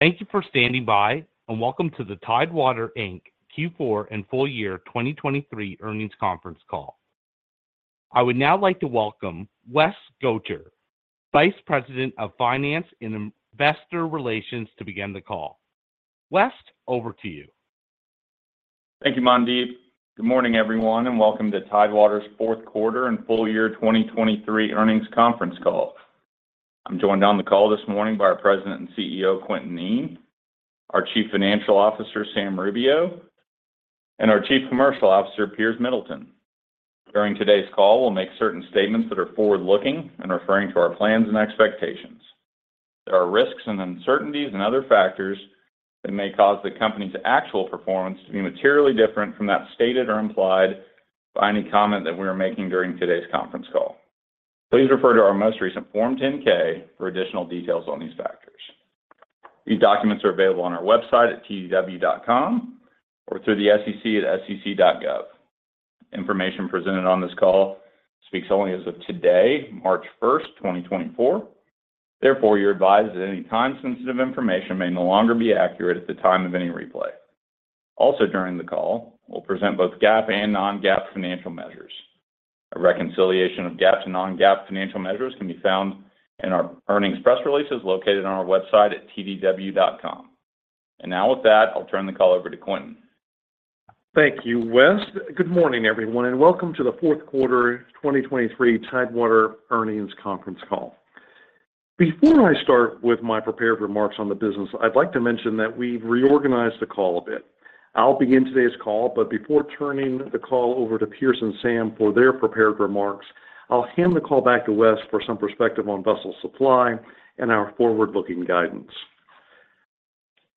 Thank you for standing by and welcome to the Tidewater Inc. Q4 and full year 2023 Earnings Conference Call. I would now like to welcome West Gotcher, Vice President of Finance and Investor Relations, to begin the call. West, over to you. Thank you, Mandeep. Good morning, everyone, and welcome to Tidewater's fourth quarter and full year 2023 earnings conference call. I'm joined on the call this morning by our President and CEO, Quintin Kneen, our Chief Financial Officer, Sam Rubio, and our Chief Commercial Officer, Piers Middleton. During today's call, we'll make certain statements that are forward-looking and referring to our plans and expectations. There are risks and uncertainties and other factors that may cause the company's actual performance to be materially different from that stated or implied by any comment that we are making during today's conference call. Please refer to our most recent Form 10-K for additional details on these factors. These documents are available on our website at tdw.com or through the SEC at sec.gov. Information presented on this call speaks only as of today, March 1st, 2024. Therefore, you're advised that any time-sensitive information may no longer be accurate at the time of any replay. Also, during the call, we'll present both GAAP and non-GAAP financial measures. A reconciliation of GAAP to non-GAAP financial measures can be found in our earnings press releases located on our website at tdw.com. Now with that, I'll turn the call over to Quintin. Thank you, West. Good morning, everyone, and welcome to the fourth quarter 2023 Tidewater earnings conference call. Before I start with my prepared remarks on the business, I'd like to mention that we've reorganized the call a bit. I'll begin today's call, but before turning the call over to Piers and Sam for their prepared remarks, I'll hand the call back to West for some perspective on vessel supply and our forward-looking guidance.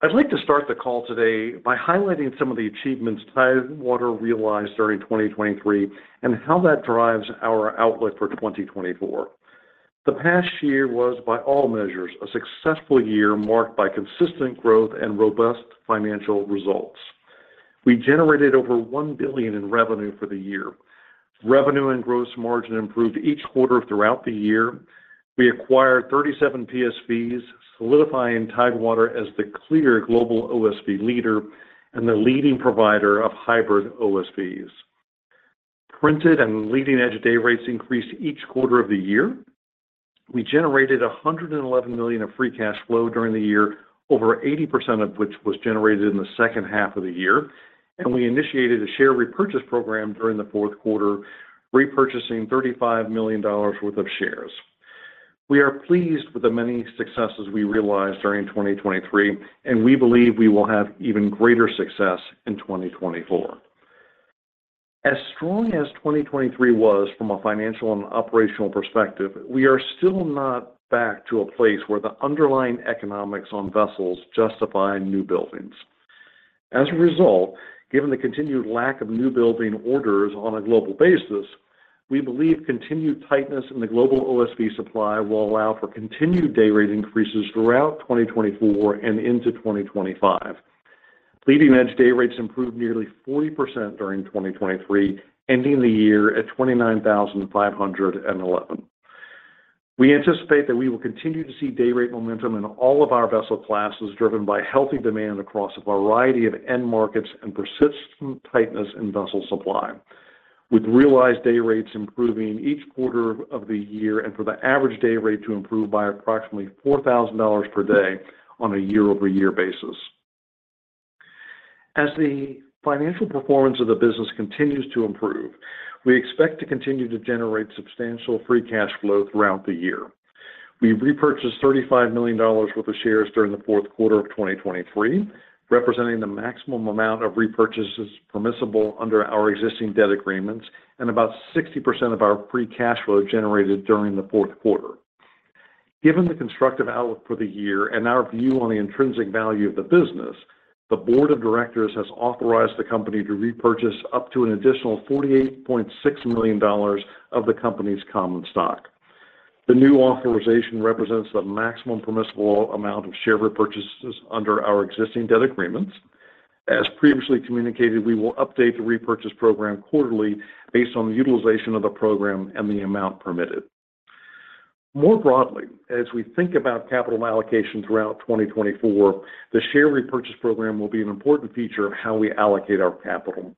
I'd like to start the call today by highlighting some of the achievements Tidewater realized during 2023 and how that drives our outlook for 2024. The past year was, by all measures, a successful year marked by consistent growth and robust financial results. We generated over $1 billion in revenue for the year. Revenue and gross margin improved each quarter throughout the year. We acquired 37 PSVs, solidifying Tidewater as the clear global OSV leader and the leading provider of hybrid OSVs. Printed and leading edge day rates increased each quarter of the year. We generated $111 million of Free Cash Flow during the year, over 80% of which was generated in the second half of the year. We initiated a share repurchase program during the fourth quarter, repurchasing $35 million worth of shares. We are pleased with the many successes we realized during 2023, and we believe we will have even greater success in 2024. As strong as 2023 was from a financial and operational perspective, we are still not back to a place where the underlying economics on vessels justify new buildings. As a result, given the continued lack of newbuilding orders on a global basis, we believe continued tightness in the global OSV supply will allow for continued day rate increases throughout 2024 and into 2025. Leading Edge Day Rates improved nearly 40% during 2023, ending the year at 29,511. We anticipate that we will continue to see day rate momentum in all of our vessel classes, driven by healthy demand across a variety of end markets and persistent tightness in vessel supply, with realized day rates improving each quarter of the year and for the average day rate to improve by approximately $4,000 per day on a year-over-year basis. As the financial performance of the business continues to improve, we expect to continue to generate substantial free cash flow throughout the year. We repurchased $35 million worth of shares during the fourth quarter of 2023, representing the maximum amount of repurchases permissible under our existing debt agreements and about 60% of our free cash flow generated during the fourth quarter. Given the constructive outlook for the year and our view on the intrinsic value of the business, the Board of Directors has authorized the company to repurchase up to an additional $48.6 million of the company's common stock. The new authorization represents the maximum permissible amount of share repurchases under our existing debt agreements. As previously communicated, we will update the repurchase program quarterly based on the utilization of the program and the amount permitted. More broadly, as we think about capital allocation throughout 2024, the share repurchase program will be an important feature of how we allocate our capital.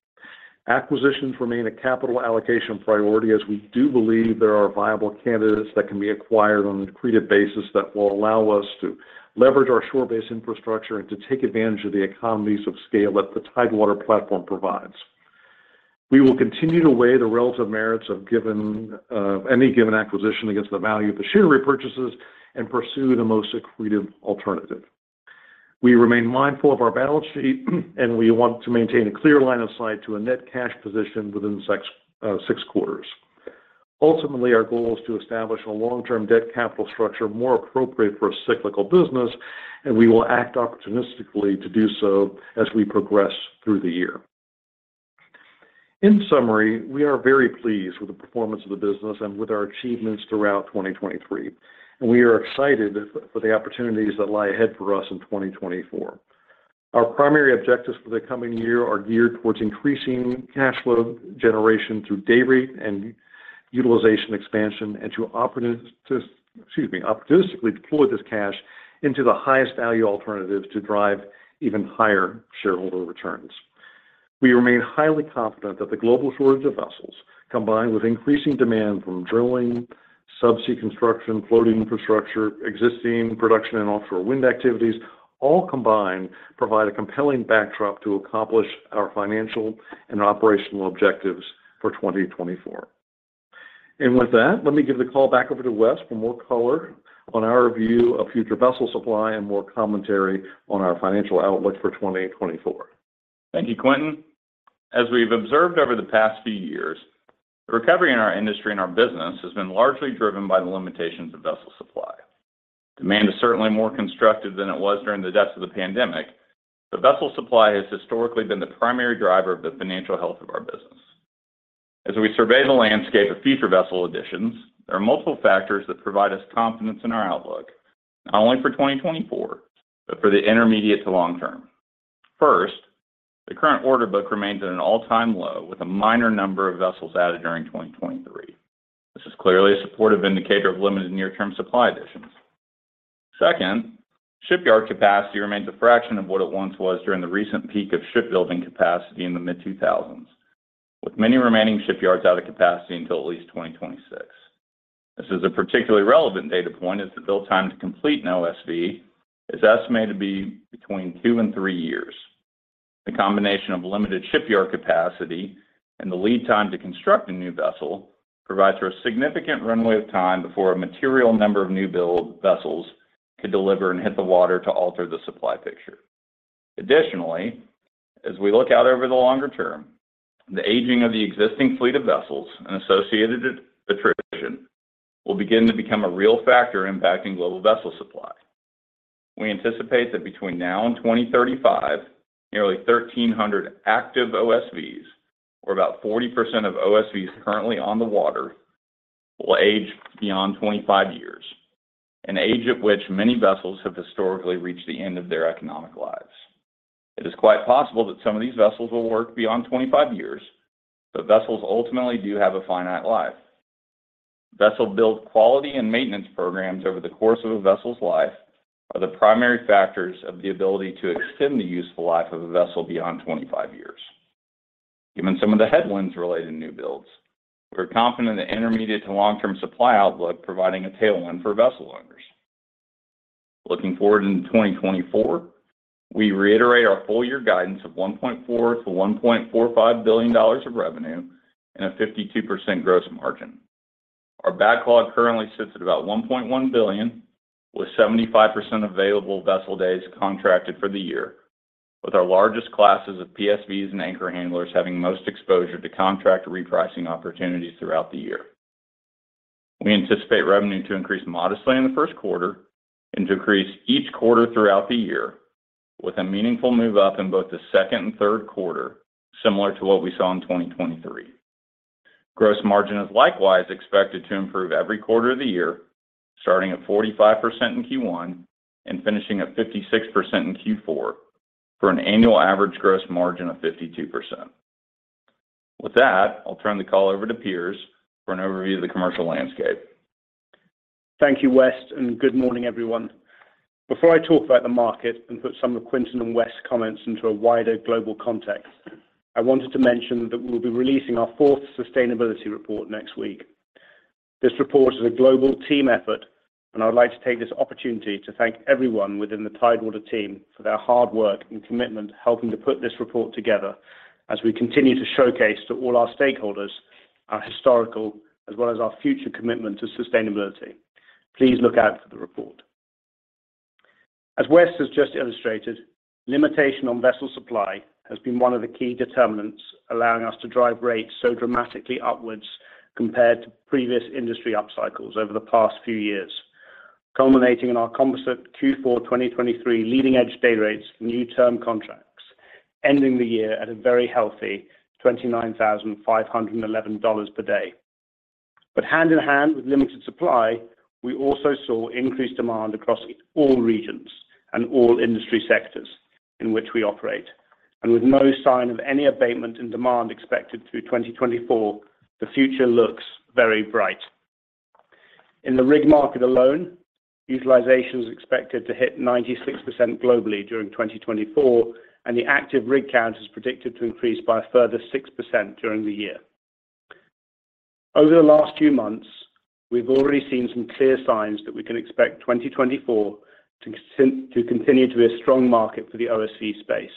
Acquisitions remain a capital allocation priority as we do believe there are viable candidates that can be acquired on an accretive basis that will allow us to leverage our shore-based infrastructure and to take advantage of the economies of scale that the Tidewater platform provides. We will continue to weigh the relative merits of any given acquisition against the value of the share repurchases and pursue the most accretive alternative. We remain mindful of our balance sheet, and we want to maintain a clear line of sight to a net cash position within six quarters. Ultimately, our goal is to establish a long-term debt capital structure more appropriate for a cyclical business, and we will act opportunistically to do so as we progress through the year. In summary, we are very pleased with the performance of the business and with our achievements throughout 2023, and we are excited for the opportunities that lie ahead for us in 2024. Our primary objectives for the coming year are geared towards increasing cash flow generation through day rate and utilization expansion and to opportunistically deploy this cash into the highest value alternatives to drive even higher shareholder returns. We remain highly confident that the global shortage of vessels, combined with increasing demand from drilling, subsea construction, floating infrastructure, existing production and offshore wind activities, all combined provide a compelling backdrop to accomplish our financial and operational objectives for 2024. With that, let me give the call back over to West for more color on our view of future vessel supply and more commentary on our financial outlook for 2024. Thank you, Quintin. As we've observed over the past few years, the recovery in our industry and our business has been largely driven by the limitations of vessel supply. Demand is certainly more constructive than it was during the depths of the pandemic, but vessel supply has historically been the primary driver of the financial health of our business. As we survey the landscape of future vessel additions, there are multiple factors that provide us confidence in our outlook, not only for 2024 but for the intermediate to long term. First, the current order book remains at an all-time low with a minor number of vessels added during 2023. This is clearly a supportive indicator of limited near-term supply additions. Second, shipyard capacity remains a fraction of what it once was during the recent peak of shipbuilding capacity in the mid-2000s, with many remaining shipyards out of capacity until at least 2026. This is a particularly relevant data point as the build time to complete an OSV is estimated to be between 2 and 3 years. The combination of limited shipyard capacity and the lead time to construct a new vessel provides for a significant runway of time before a material number of new build vessels could deliver and hit the water to alter the supply picture. Additionally, as we look out over the longer term, the aging of the existing fleet of vessels and associated attrition will begin to become a real factor impacting global vessel supply. We anticipate that between now and 2035, nearly 1,300 active OSVs, or about 40% of OSVs currently on the water, will age beyond 25 years, an age at which many vessels have historically reached the end of their economic lives. It is quite possible that some of these vessels will work beyond 25 years, but vessels ultimately do have a finite life. Vessel build quality and maintenance programs over the course of a vessel's life are the primary factors of the ability to extend the useful life of a vessel beyond 25 years. Given some of the headwinds related to new builds, we are confident in the intermediate to long-term supply outlook providing a tailwind for vessel owners. Looking forward into 2024, we reiterate our full year guidance of $1.4-$1.45 billion of revenue and a 52% gross margin. Our backlog currently sits at about $1.1 billion, with 75% available vessel days contracted for the year, with our largest classes of PSVs and anchor handlers having most exposure to contract repricing opportunities throughout the year. We anticipate revenue to increase modestly in the first quarter and to increase each quarter throughout the year, with a meaningful move up in both the second and third quarter, similar to what we saw in 2023. Gross margin is likewise expected to improve every quarter of the year, starting at 45% in Q1 and finishing at 56% in Q4, for an annual average gross margin of 52%. With that, I'll turn the call over to Piers for an overview of the commercial landscape. Thank you, West, and good morning, everyone. Before I talk about the market and put some of Quintin and West's comments into a wider global context, I wanted to mention that we will be releasing our fourth sustainability report next week. This report is a global team effort, and I would like to take this opportunity to thank everyone within the Tidewater team for their hard work and commitment helping to put this report together as we continue to showcase to all our stakeholders our historical as well as our future commitment to sustainability. Please look out for the report. As West has just illustrated, limitation on vessel supply has been one of the key determinants allowing us to drive rates so dramatically upwards compared to previous industry upcycles over the past few years, culminating in our composite Q4 2023 leading edge day rates for new term contracts, ending the year at a very healthy $29,511 per day. But hand in hand with limited supply, we also saw increased demand across all regions and all industry sectors in which we operate. And with no sign of any abatement in demand expected through 2024, the future looks very bright. In the rig market alone, utilization is expected to hit 96% globally during 2024, and the active rig count is predicted to increase by a further 6% during the year. Over the last few months, we've already seen some clear signs that we can expect 2024 to continue to be a strong market for the OSV space.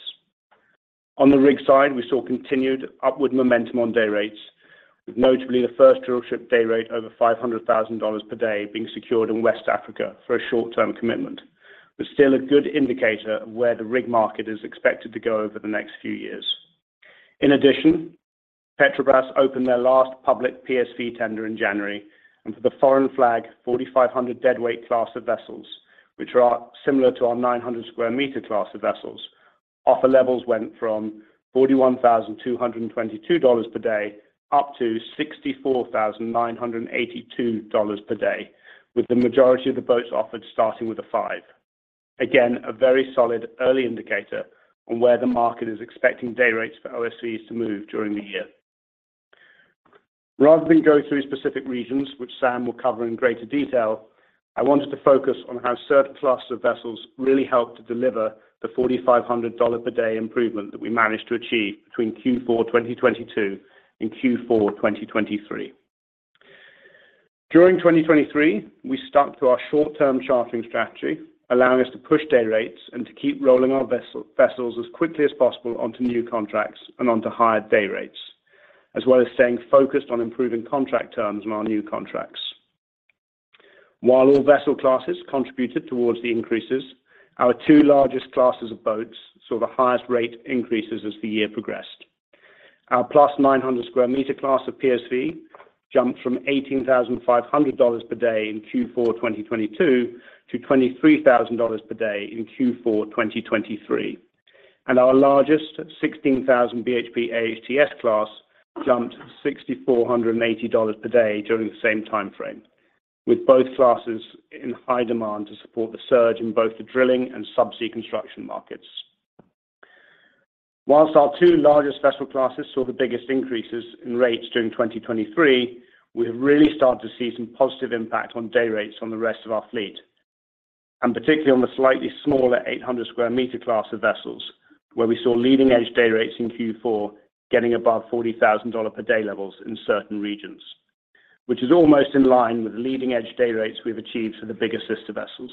On the rig side, we saw continued upward momentum on day rates, with notably the first drillship day rate over $500,000 per day being secured in West Africa for a short-term commitment, but still a good indicator of where the rig market is expected to go over the next few years. In addition, Petrobras opened their last public PSV tender in January, and for the foreign flag 4,500 deadweight class of vessels, which are similar to our 900 square meter class of vessels, offer levels went from $41,222-$64,982 per day, with the majority of the boats offered starting with a five. Again, a very solid early indicator on where the market is expecting day rates for OSVs to move during the year. Rather than go through specific regions, which Sam will cover in greater detail, I wanted to focus on how certain classes of vessels really helped to deliver the $4,500 per day improvement that we managed to achieve between Q4 2022 and Q4 2023. During 2023, we stuck to our short-term chartering strategy, allowing us to push day rates and to keep rolling our vessels as quickly as possible onto new contracts and onto higher day rates, as well as staying focused on improving contract terms on our new contracts. While all vessel classes contributed towards the increases, our two largest classes of boats saw the highest rate increases as the year progressed. Our 900+ square meter class of PSV jumped from $18,500 per day in Q4 2022 to $23,000 per day in Q4 2023. Our largest 16,000 BHP AHTS class jumped to $6,480 per day during the same timeframe, with both classes in high demand to support the surge in both the drilling and subsea construction markets. While our two largest vessel classes saw the biggest increases in rates during 2023, we have really started to see some positive impact on day rates on the rest of our fleet, and particularly on the slightly smaller 800 sq meter class of vessels, where we saw leading edge day rates in Q4 getting above $40,000 per day levels in certain regions, which is almost in line with the leading edge day rates we've achieved for the bigger sister vessels.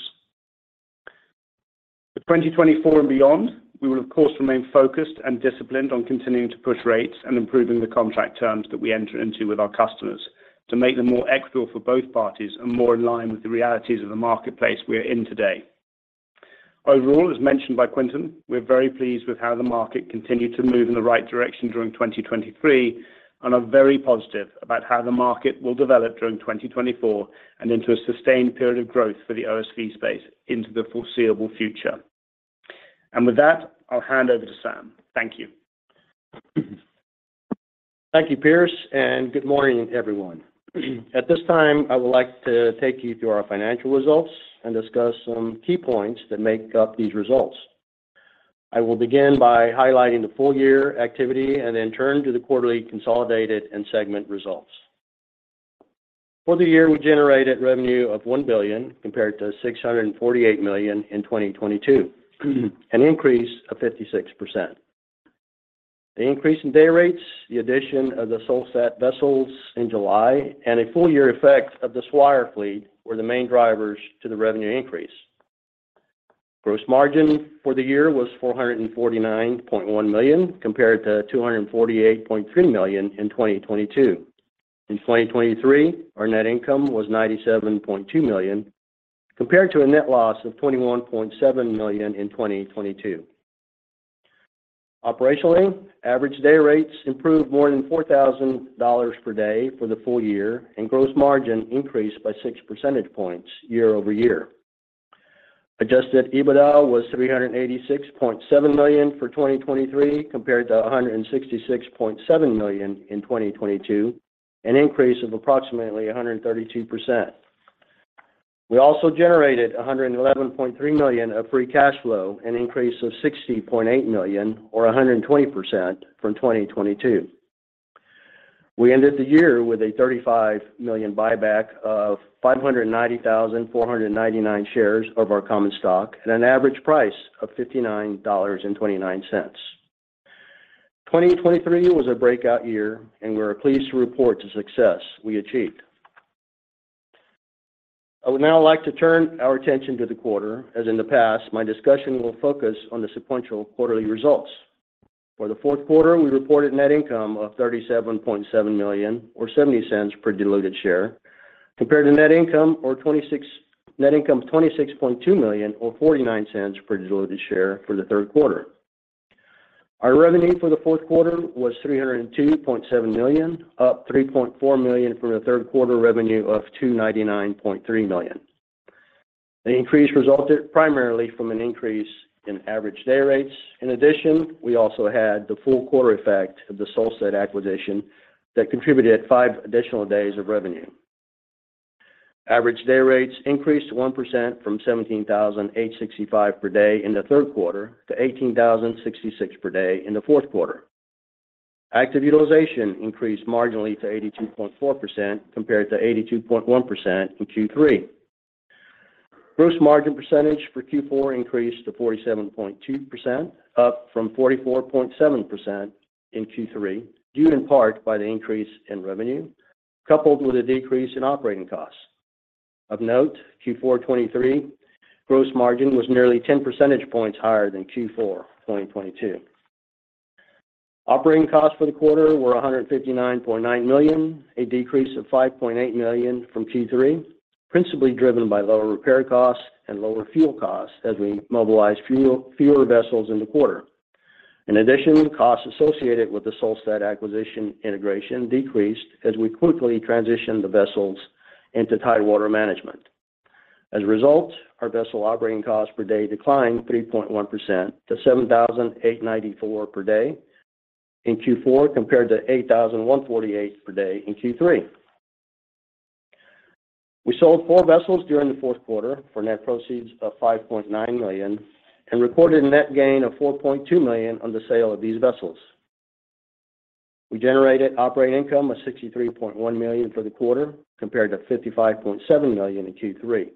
For 2024 and beyond, we will, of course, remain focused and disciplined on continuing to push rates and improving the contract terms that we enter into with our customers to make them more equitable for both parties and more in line with the realities of the marketplace we are in today. Overall, as mentioned by Quintin, we are very pleased with how the market continued to move in the right direction during 2023 and are very positive about how the market will develop during 2024 and into a sustained period of growth for the OSV space into the foreseeable future. And with that, I'll hand over to Sam. Thank you. Thank you, Piers, and good morning, everyone. At this time, I would like to take you through our financial results and discuss some key points that make up these results. I will begin by highlighting the full year activity and then turn to the quarterly consolidated and segment results. For the year, we generated revenue of $1 billion compared to $648 million in 2022, an increase of 56%. The increase in day rates, the addition of the Solstad vessels in July, and a full year effect of the Swire fleet were the main drivers to the revenue increase. Gross margin for the year was $449.1 million compared to $248.3 million in 2022. In 2023, our net income was $97.2 million compared to a net loss of $21.7 million in 2022. Operationally, average day rates improved more than $4,000 per day for the full year and gross margin increased by 6 percentage points year-over-year. Adjusted EBITDA was $386.7 million for 2023 compared to $166.7 million in 2022, an increase of approximately 132%. We also generated $111.3 million of free cash flow, an increase of $60.8 million, or 120% from 2022. We ended the year with a $35 million buyback of 590,499 shares of our common stock at an average price of $59.29. 2023 was a breakout year, and we are pleased to report the success we achieved. I would now like to turn our attention to the quarter. As in the past, my discussion will focus on the sequential quarterly results. For the fourth quarter, we reported net income of $37.7 million, or $0.70 per diluted share, compared to net income of $26.2 million, or $0.49 per diluted share, for the third quarter. Our revenue for the fourth quarter was $302.7 million, up $3.4 million from the third quarter revenue of $299.3 million. The increase resulted primarily from an increase in average day rates. In addition, we also had the full quarter effect of the Solstad acquisition that contributed five additional days of revenue. Average day rates increased 1% from 17,865 per day in the third quarter to 18,066 per day in the fourth quarter. Active utilization increased marginally to 82.4% compared to 82.1% in Q3. Gross margin percentage for Q4 increased to 47.2%, up from 44.7% in Q3 due in part by the increase in revenue coupled with a decrease in operating costs. Of note, Q4 2023, gross margin was nearly 10 percentage points higher than Q4 2022. Operating costs for the quarter were $159.9 million, a decrease of $5.8 million from Q3, principally driven by lower repair costs and lower fuel costs as we mobilized fewer vessels in the quarter. In addition, costs associated with the Solstad acquisition integration decreased as we quickly transitioned the vessels into Tidewater management. As a result, our vessel operating costs per day declined 3.1% to $7,894 per day in Q4 compared to $8,148 per day in Q3. We sold four vessels during the fourth quarter for net proceeds of $5.9 million and recorded a net gain of $4.2 million on the sale of these vessels. We generated operating income of $63.1 million for the quarter compared to $55.7 million in Q3.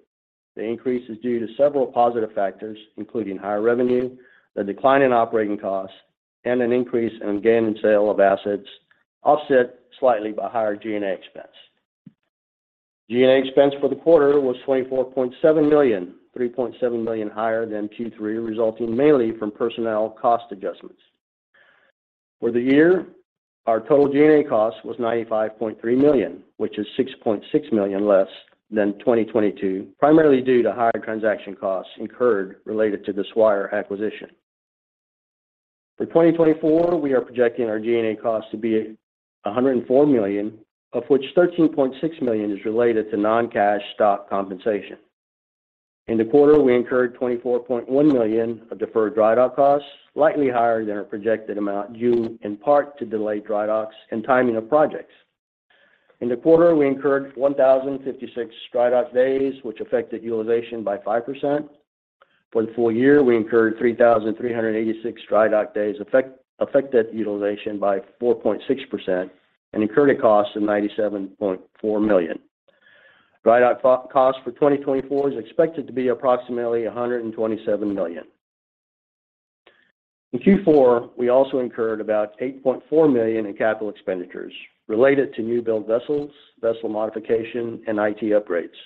The increase is due to several positive factors, including higher revenue, the decline in operating costs, and an increase in gain and sale of assets offset slightly by higher G&A expense. G&A expense for the quarter was $24.7 million, $3.7 million higher than Q3, resulting mainly from personnel cost adjustments. For the year, our total G&A cost was $95.3 million, which is $6.6 million less than 2022, primarily due to higher transaction costs incurred related to the Swire acquisition. For 2024, we are projecting our G&A costs to be $104 million, of which $13.6 million is related to non-cash stock compensation. In the quarter, we incurred $24.1 million of deferred dry dock costs, slightly higher than our projected amount due in part to delayed dry docks and timing of projects. In the quarter, we incurred 1,056 dry dock days, which affected utilization by 5%. For the full year, we incurred 3,386 Dry Dock days, affected utilization by 4.6%, and incurred a cost of $97.4 million. Dry Dock costs for 2024 is expected to be approximately $127 million. In Q4, we also incurred about $8.4 million in capital expenditures related to new-built vessels, vessel modification, and IT upgrades.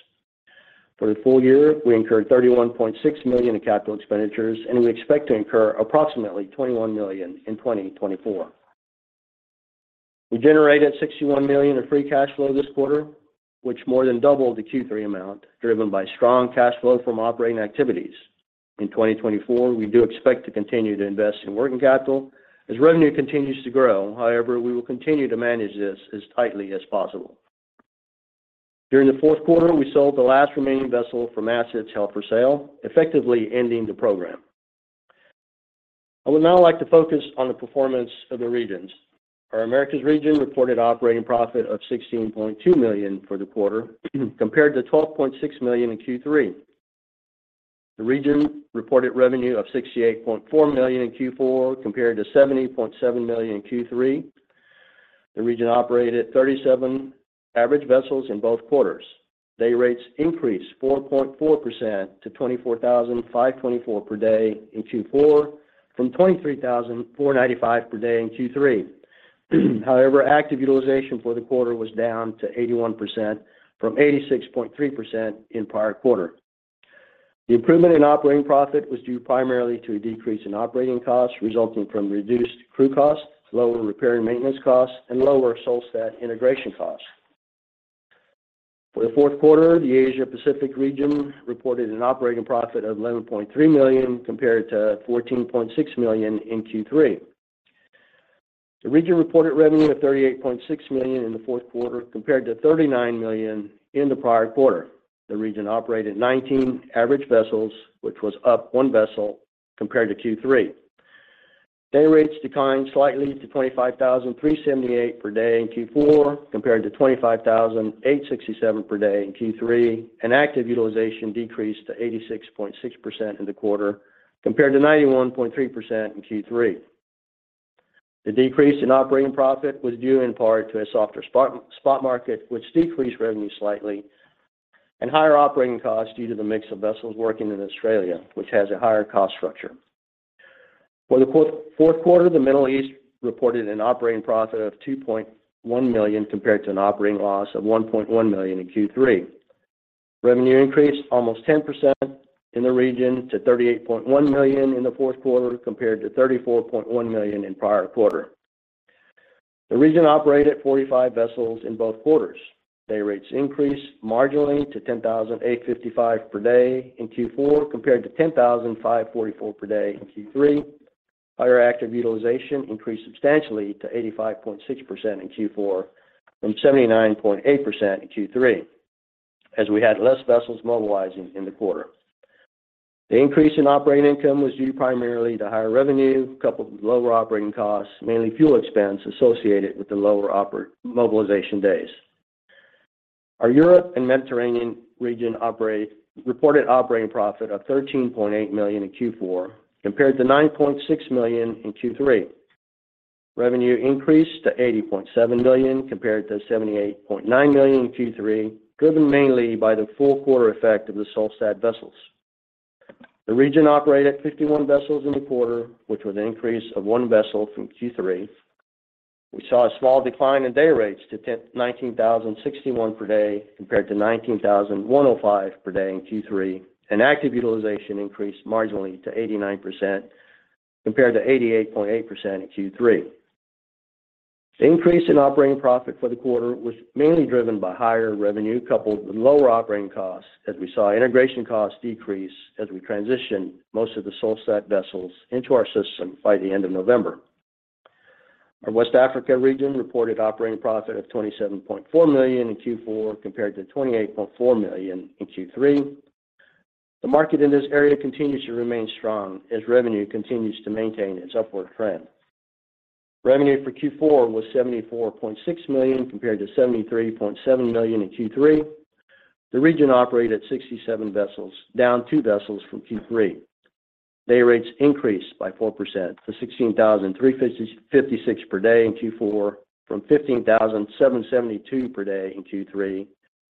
For the full year, we incurred $31.6 million in capital expenditures, and we expect to incur approximately $21 million in 2024. We generated $61 million of Free Cash Flow this quarter, which more than doubled the Q3 amount driven by strong cash flow from operating activities. In 2024, we do expect to continue to invest in working capital as revenue continues to grow. However, we will continue to manage this as tightly as possible. During the fourth quarter, we sold the last remaining vessel from assets held for sale, effectively ending the program. I would now like to focus on the performance of the regions. Our Americas region reported operating profit of $16.2 million for the quarter compared to $12.6 million in Q3. The region reported revenue of $68.4 million in Q4 compared to $70.7 million in Q3. The region operated 37 average vessels in both quarters. Day rates increased 4.4% to $24,524 per day in Q4 from $23,495 per day in Q3. However, active utilization for the quarter was down to 81% from 86.3% in prior quarter. The improvement in operating profit was due primarily to a decrease in operating costs resulting from reduced crew costs, lower repair and maintenance costs, and lower Solstad integration costs. For the fourth quarter, the Asia-Pacific region reported an operating profit of $11.3 million compared to $14.6 million in Q3. The region reported revenue of $38.6 million in the fourth quarter compared to $39 million in the prior quarter. The region operated 19 average vessels, which was up one vessel compared to Q3. Day rates declined slightly to $25,378 per day in Q4 compared to $25,867 per day in Q3, and active utilization decreased to 86.6% in the quarter compared to 91.3% in Q3. The decrease in operating profit was due in part to a softer spot market, which decreased revenue slightly, and higher operating costs due to the mix of vessels working in Australia, which has a higher cost structure. For the fourth quarter, the Middle East reported an operating profit of $2.1 million compared to an operating loss of $1.1 million in Q3. Revenue increased almost 10% in the region to $38.1 million in the fourth quarter compared to $34.1 million in prior quarter. The region operated 45 vessels in both quarters. Day rates increased marginally to $10,855 per day in Q4 compared to $10,544 per day in Q3. Higher active utilization increased substantially to 85.6% in Q4 from 79.8% in Q3 as we had less vessels mobilizing in the quarter. The increase in operating income was due primarily to higher revenue coupled with lower operating costs, mainly fuel expense associated with the lower mobilization days. Our Europe and Mediterranean region reported operating profit of $13.8 million in Q4 compared to $9.6 million in Q3. Revenue increased to $80.7 million compared to $78.9 million in Q3, driven mainly by the full quarter effect of the Solstad vessels. The region operated 51 vessels in the quarter, which was an increase of one vessel from Q3. We saw a small decline in day rates to $19,061 per day compared to $19,105 per day in Q3, and active utilization increased marginally to 89% compared to 88.8% in Q3. The increase in operating profit for the quarter was mainly driven by higher revenue coupled with lower operating costs as we saw integration costs decrease as we transitioned most of the Solstad vessels into our system by the end of November. Our West Africa region reported operating profit of $27.4 million in Q4 compared to $28.4 million in Q3. The market in this area continues to remain strong as revenue continues to maintain its upward trend. Revenue for Q4 was $74.6 million compared to $73.7 million in Q3. The region operated 67 vessels, down two vessels from Q3. Day rates increased by 4% to $16,356 per day in Q4 from $15,772 per day in Q3,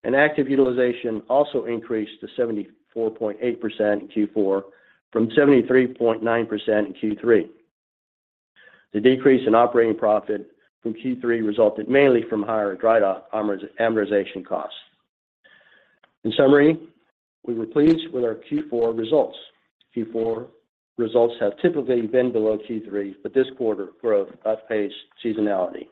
and active utilization also increased to 74.8% in Q4 from 73.9% in Q3. The decrease in operating profit from Q3 resulted mainly from higher dry dock amortization costs. In summary, we were pleased with our Q4 results. Q4 results have typically been below Q3, but this quarter growth outpaced seasonality.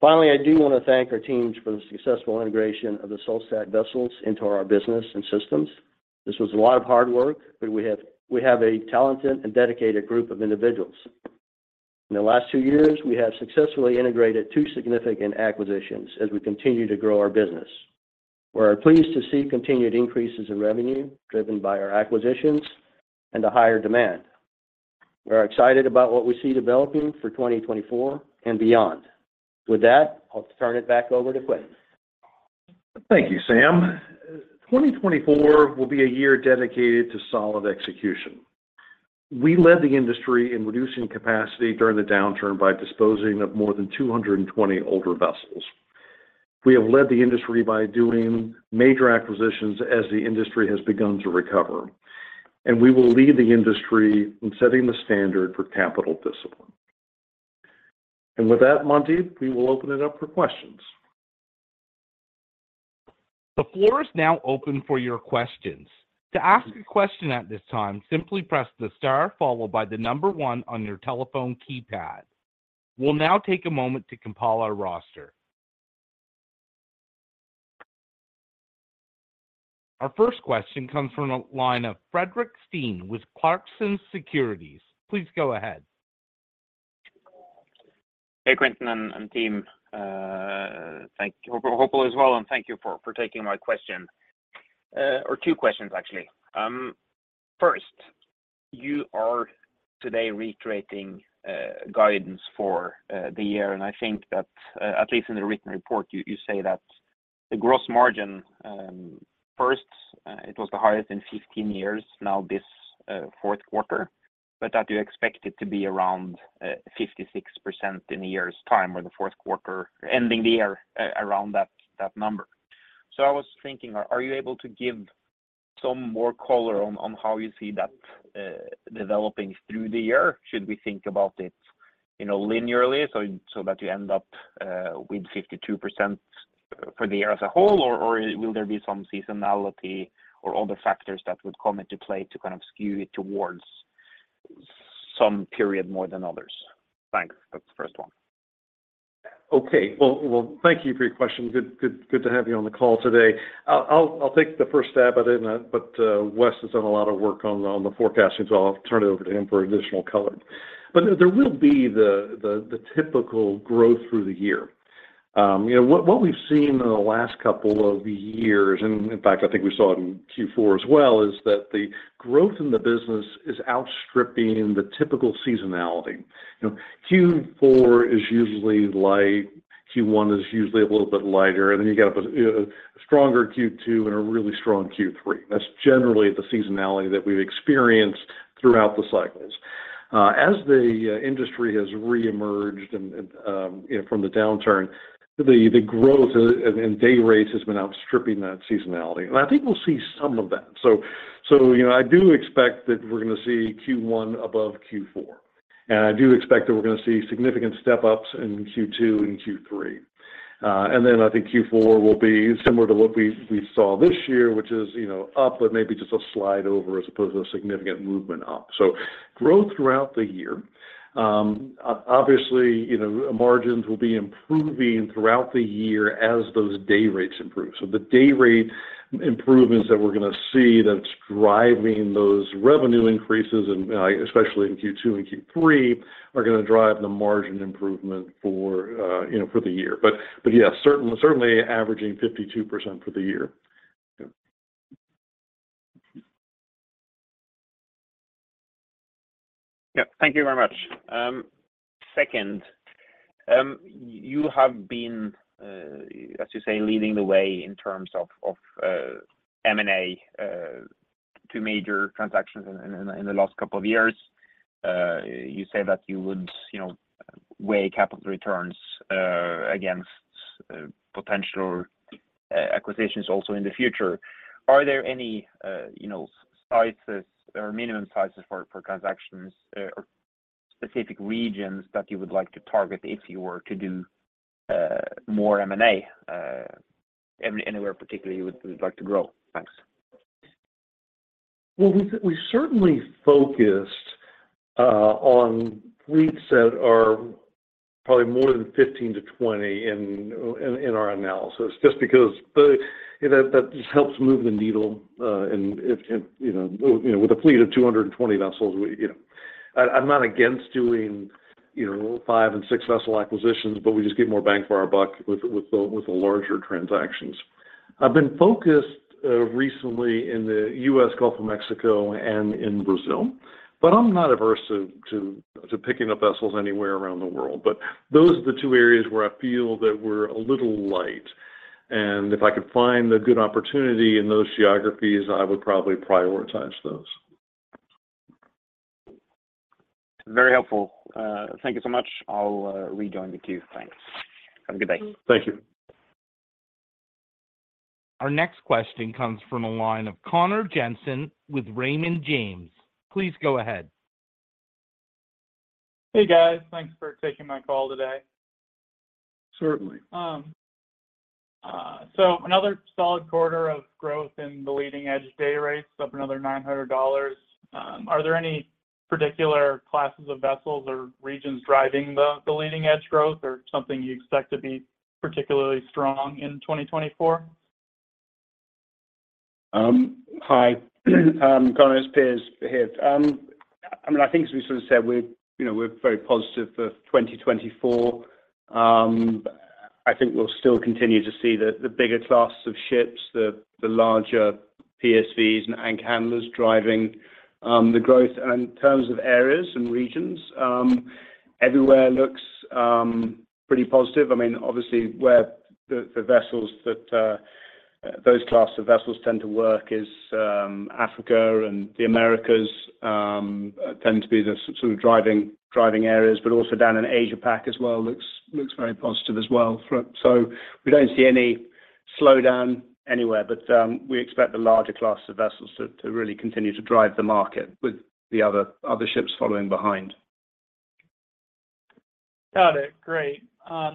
Finally, I do want to thank our teams for the successful integration of the Solstad vessels into our business and systems. This was a lot of hard work, but we have a talented and dedicated group of individuals. In the last two years, we have successfully integrated two significant acquisitions as we continue to grow our business. We are pleased to see continued increases in revenue driven by our acquisitions and the higher demand. We are excited about what we see developing for 2024 and beyond. With that, I'll turn it back over to Quintin. Thank you, Sam. 2024 will be a year dedicated to solid execution. We led the industry in reducing capacity during the downturn by disposing of more than 220 older vessels. We have led the industry by doing major acquisitions as the industry has begun to recover, and we will lead the industry in setting the standard for capital discipline. And with that, Mandeep, we will open it up for questions. The floor is now open for your questions. To ask a question at this time, simply press the star followed by the number one on your telephone keypad. We'll now take a moment to compile our roster. Our first question comes from a line of Fredrik Stene with Clarksons Securities. Please go ahead. Hey, Quintin and team. Hope all's well, and thank you for taking my question, or two questions, actually. First, you are today reiterating guidance for the year, and I think that at least in the written report, you say that the gross margin first, it was the highest in 15 years, now this fourth quarter, but that you expect it to be around 56% in a year's time or the fourth quarter ending the year around that number. So I was thinking, are you able to give some more color on how you see that developing through the year? Should we think about it linearly so that you end up with 52% for the year as a whole, or will there be some seasonality or other factors that would come into play to kind of skew it towards some period more than others? Thanks. That's the first one. Okay. Well, thank you for your question. Good to have you on the call today. I'll take the first stab at it, but Wes has done a lot of work on the forecasting, so I'll turn it over to him for additional color. But there will be the typical growth through the year. What we've seen in the last couple of years, and in fact, I think we saw it in Q4 as well, is that the growth in the business is outstripping the typical seasonality. Q4 is usually light. Q1 is usually a little bit lighter, and then you get a stronger Q2 and a really strong Q3. That's generally the seasonality that we've experienced throughout the cycles. As the industry has reemerged from the downturn, the growth and day rates have been outstripping that seasonality. And I think we'll see some of that. So I do expect that we're going to see Q1 above Q4, and I do expect that we're going to see significant step-ups in Q2 and Q3. And then I think Q4 will be similar to what we saw this year, which is up, but maybe just a slide over as opposed to a significant movement up. So growth throughout the year. Obviously, margins will be improving throughout the year as those day rates improve. So the day rate improvements that we're going to see that's driving those revenue increases, especially in Q2 and Q3, are going to drive the margin improvement for the year. But yeah, certainly averaging 52% for the year. Yep. Thank you very much. Second, you have been, as you say, leading the way in terms of M&A, two major transactions in the last couple of years. You say that you would weigh capital returns against potential acquisitions also in the future. Are there any sizes or minimum sizes for transactions or specific regions that you would like to target if you were to do more M&A anywhere particularly you would like to grow? Thanks. Well, we certainly focused on fleets that are probably more than 15-20 in our analysis just because that just helps move the needle. And with a fleet of 220 vessels, I'm not against doing 5 and 6-vessel acquisitions, but we just get more bang for our buck with the larger transactions. I've been focused recently in the U.S. Gulf of Mexico, and in Brazil, but I'm not averse to picking up vessels anywhere around the world. But those are the two areas where I feel that we're a little light. If I could find a good opportunity in those geographies, I would probably prioritize those. Very helpful. Thank you so much. I'll rejoin the queue. Thanks. Have a good day. Thank you. Our next question comes from a line of Connor Jensen with Raymond James. Please go ahead. Hey, guys. Thanks for taking my call today. Certainly. So another solid quarter of growth in the leading-edge day rates, up another $900. Are there any particular classes of vessels or regions driving the leading-edge growth or something you expect to be particularly strong in 2024? Hi. Piers here. I mean, I think as we sort of said, we're very positive for 2024. I think we'll still continue to see the bigger classes of ships, the larger PSVs and anchor handlers driving the growth. And in terms of areas and regions, everywhere looks pretty positive. I mean, obviously, the class of vessels tend to work is Africa, and the Americas tend to be the sort of driving areas. But also down in Asia-Pac as well, looks very positive as well. So we don't see any slowdown anywhere, but we expect the larger class of vessels to really continue to drive the market with the other ships following behind. Got it. Great.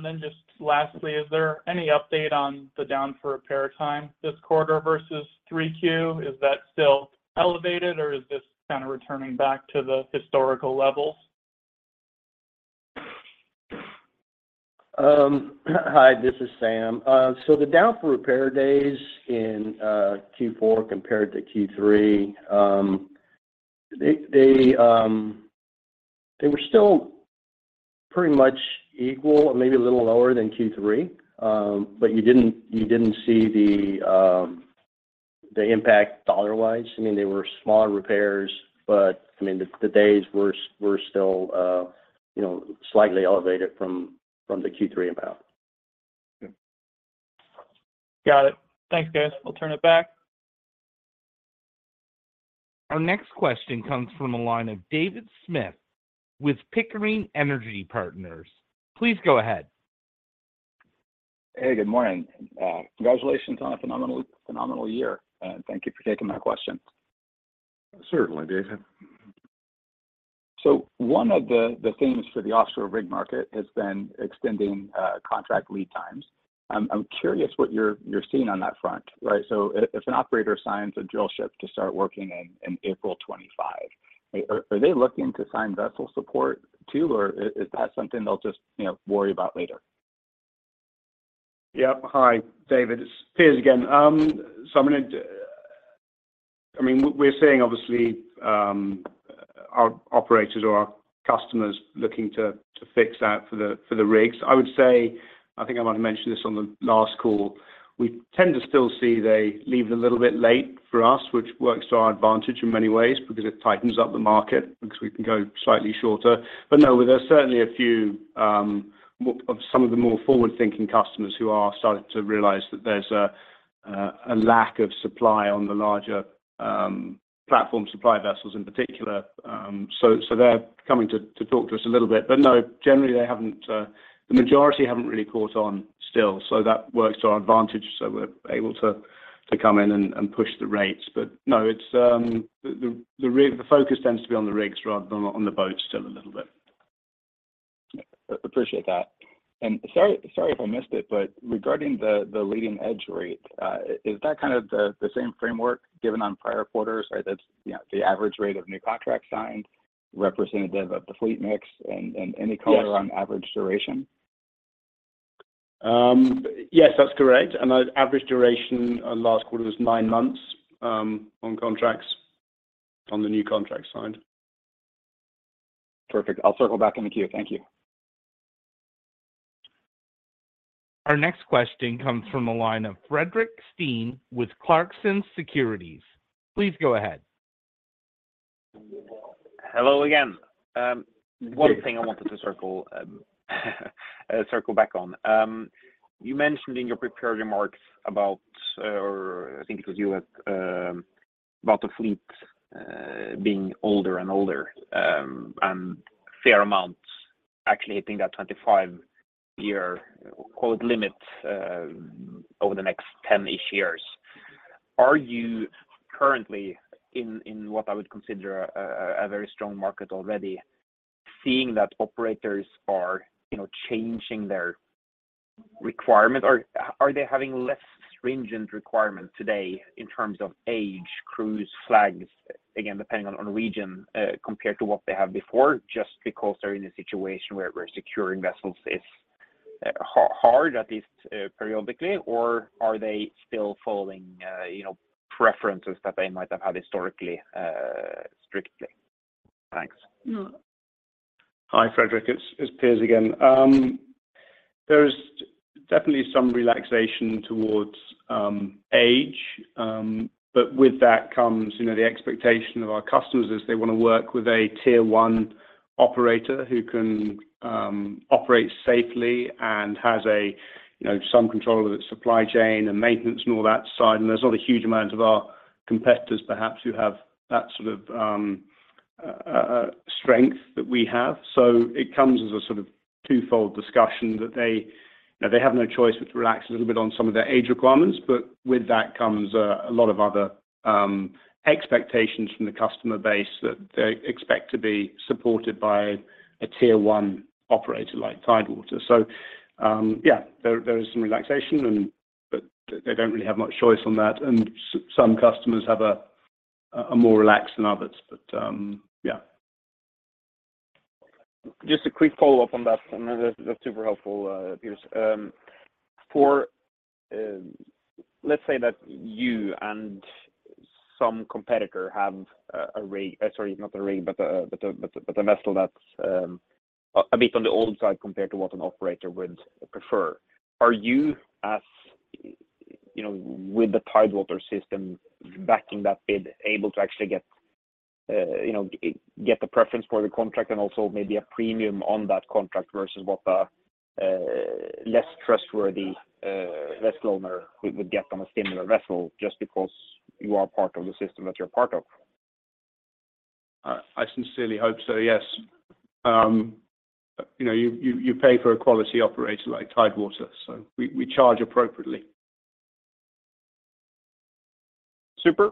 Then just lastly, is there any update on the down-for-repair time this quarter versus 3Q? Is that still elevated, or is this kind of returning back to the historical levels? Hi. This is Sam. So the down-for-repair days in Q4 compared to Q3, they were still pretty much equal or maybe a little lower than Q3, but you didn't see the impact dollar-wise. I mean, they were smaller repairs, but I mean, the days were still slightly elevated from the Q3 amount. Got it. Thanks, guys. We'll turn it back. Our next question comes from a line of David Smith with Pickering Energy Partners. Please go ahead. Hey, good morning. Congratulations, Tom, for a phenomenal year. And thank you for taking my question. Certainly, David. So one of the themes for the offshore rig market has been extending contract lead times. I'm curious what you're seeing on that front, right? So if an operator signs a drill ship to start working in April 2025, are they looking to sign vessel support too, or is that something they'll just worry about later? Yep. Hi, David. It's Piers again. So I mean, we're seeing, obviously, our operators or our customers looking to fix that for the rigs. I would say, I think I might have mentioned this on the last call. We tend to still see they leave it a little bit late for us, which works to our advantage in many ways because it tightens up the market because we can go slightly shorter. But no, there's certainly a few of some of the more forward-thinking customers who are starting to realize that there's a lack of supply on the larger platform supply vessels in particular. So they're coming to talk to us a little bit. But no, generally, the majority haven't really caught on still. So that works to our advantage. So we're able to come in and push the rates. But no, the focus tends to be on the rigs rather than on the boats still a little bit. Appreciate that. And sorry if I missed it, but regarding the leading-edge rate, is that kind of the same framework given on prior quarters, right? That's the average rate of new contracts signed, representative of the fleet mix, and any color on average duration? Yes, that's correct. And average duration last quarter was nine months on contracts on the new contracts signed. Perfect. I'll circle back in the queue. Thank you. Our next question comes from a line of Frederick Steen with Clarksons Securities. Please go ahead. Hello again. One thing I wanted to circle back on. You mentioned in your prepared remarks about, or I think because you had about the fleet being older and older and a fair amount actually hitting that 25-year, call it limit, over the next 10-ish years. Are you currently in what I would consider a very strong market already, seeing that operators are changing their requirements, or are they having less stringent requirements today in terms of age, crews, flags, again, depending on region, compared to what they had before just because they're in a situation where securing vessels is hard, at least periodically, or are they still following preferences that they might have had historically strictly? Thanks. Hi, Frederick. It's Piers again. There's definitely some relaxation towards age, but with that comes the expectation of our customers is they want to work with a tier-one operator who can operate safely and has some control of its supply chain and maintenance and all that side. There's not a huge amount of our competitors, perhaps, who have that sort of strength that we have. So it comes as a sort of twofold discussion that they have no choice but to relax a little bit on some of their age requirements. But with that comes a lot of other expectations from the customer base that they expect to be supported by a tier-one operator like Tidewater. So yeah, there is some relaxation, but they don't really have much choice on that. And some customers have a more relaxed than others. But yeah. Just a quick follow-up on that. That's super helpful, Piers. Let's say that you and some competitor have a rig sorry, not a rig, but a vessel that's a bit on the old side compared to what an operator would prefer. Are you, with the Tidewater system backing that bid, able to actually get the preference for the contract and also maybe a premium on that contract versus what the less trustworthy vessel owner would get on a similar vessel just because you are part of the system that you're part of? I sincerely hope so, yes. You pay for a quality operator like Tidewater, so we charge appropriately. Super.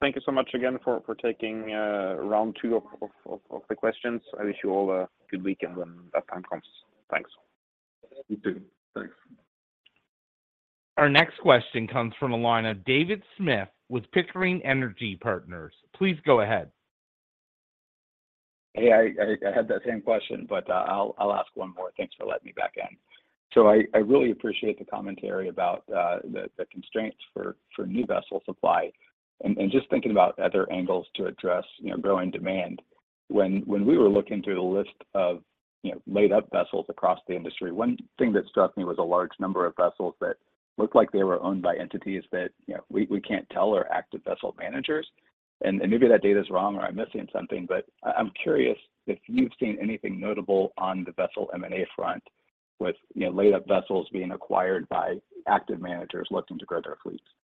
Thank you so much again for taking round two of the questions. I wish you all a good weekend when that time comes. Thanks. You too. Thanks. Our next question comes from a line of David Smith with Pickering Energy Partners. Please go ahead. Hey, I had that same question, but I'll ask one more. Thanks for letting me back in. So I really appreciate the commentary about the constraints for new vessel supply and just thinking about other angles to address growing demand. When we were looking through the list of laid-up vessels across the industry, one thing that struck me was a large number of vessels that looked like they were owned by entities that we can't tell are active vessel managers. And maybe that data's wrong or I'm missing something, but I'm curious if you've seen anything notable on the vessel M&A front with laid-up vessels being acquired by active managers looking to grow their fleets? Hi. It's Piers again.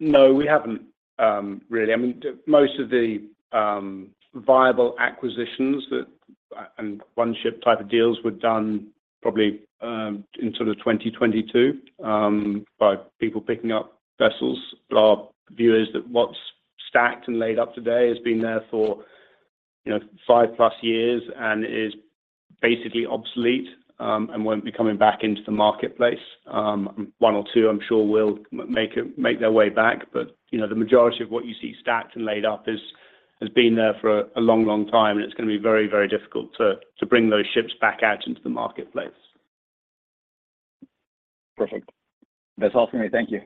No, we haven't really. I mean, most of the viable acquisitions and one-ship type of deals were done probably in sort of 2022 by people picking up vessels. But our view is that what's stacked and laid up today has been there for five-plus years and is basically obsolete and won't be coming back into the marketplace. One or two, I'm sure, will make their way back. But the majority of what you see stacked and laid up has been there for a long, long time, and it's going to be very, very difficult to bring those ships back out into the marketplace. Perfect. That's all from me. Thank you.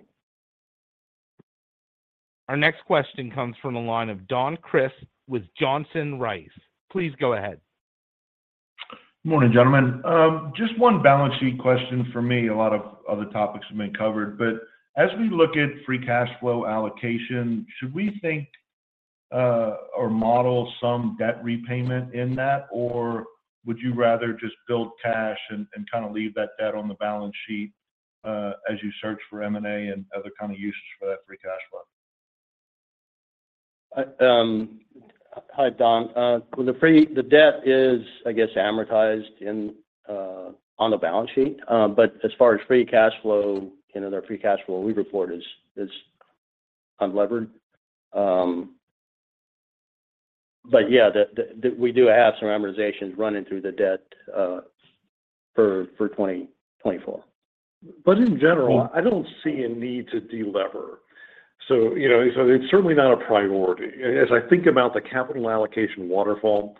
Our next question comes from a line of Don Crist with Johnson Rice. Please go ahead. Good morning, gentlemen. Just one balance sheet question for me. A lot of other topics have been covered. But as we look at free cash flow allocation, should we think or model some debt repayment in that, or would you rather just build cash and kind of leave that debt on the balance sheet as you search for M&A and other kind of uses for that free cash flow? Hi, Don. Well, the debt is, I guess, amortized on the balance sheet. But as far as free cash flow, the free cash flow we report is unlevered. But yeah, we do have some amortizations running through the debt for 2024. But in general, I don't see a need to delever. So it's certainly not a priority. As I think about the capital allocation waterfall,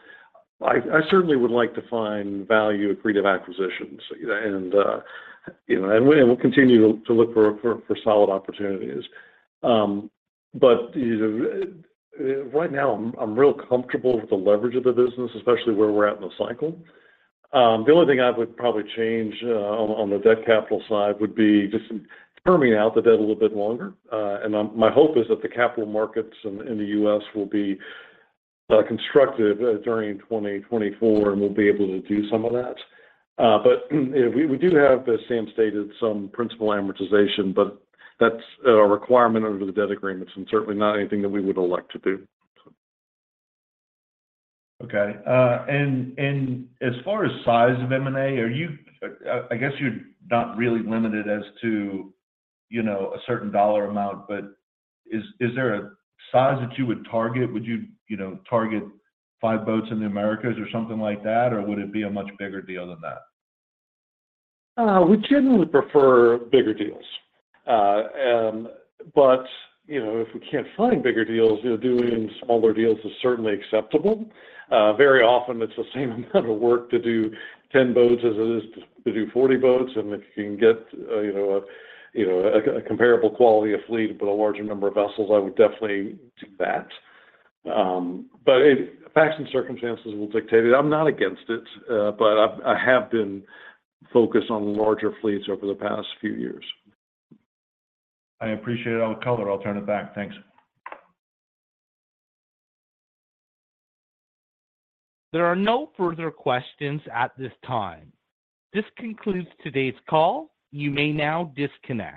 I certainly would like to find value accretive acquisitions. And we'll continue to look for solid opportunities. But right now, I'm real comfortable with the leverage of the business, especially where we're at in the cycle. The only thing I would probably change on the debt capital side would be just terming out the debt a little bit longer. And my hope is that the capital markets in the U.S. will be constructive during 2024 and we'll be able to do some of that. But we do have, as Sam stated, some principal amortization, but that's a requirement under the debt agreements and certainly not anything that we would elect to do. Okay. And as far as size of M&A, I guess you're not really limited as to a certain dollar amount, but is there a size that you would target? Would you target five boats in the Americas or something like that, or would it be a much bigger deal than that? We generally prefer bigger deals. If we can't find bigger deals, doing smaller deals is certainly acceptable. Very often, it's the same amount of work to do 10 boats as it is to do 40 boats. If you can get a comparable quality of fleet but a larger number of vessels, I would definitely do that. Facts and circumstances will dictate it. I'm not against it, but I have been focused on larger fleets over the past few years. I appreciate all the color. I'll turn it back. Thanks. There are no further questions at this time. This concludes today's call. You may now disconnect.